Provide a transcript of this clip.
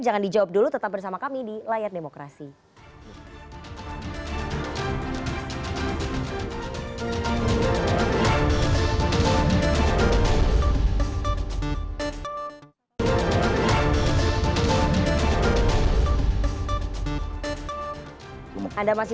jangan dijawab dulu tetap bersama kami di layar demokrasi